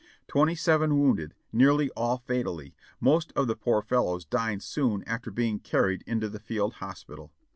Twenty seven wounded, nearly all fatally, most of the poor fellows dying soon after being car ried into the field hospital.